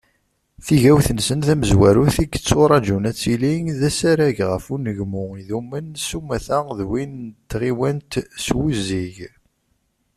Tigawt-nsen tamezwarut i yetturaǧun ad tili, d asarag ɣef unegmu idumen s umata d win n tɣiwant s wuzzig.